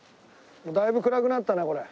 だいぶ暗くなったねこれ。